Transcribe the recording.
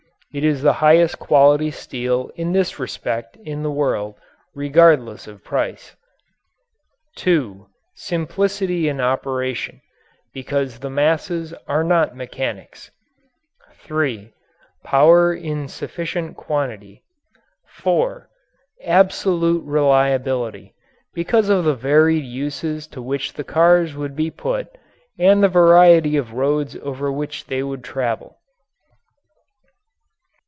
It is the highest quality steel in this respect in the world, regardless of price. (2) Simplicity in operation because the masses are not mechanics. (3) Power in sufficient quantity. (4) Absolute reliability because of the varied uses to which the cars would be put and the variety of roads over which they would travel.